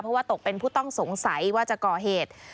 เพราะว่าตกเป็นผู้ต้องสงสัยว่าจะก่อเหตุ